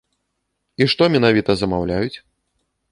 І што менавіта замаўляюць?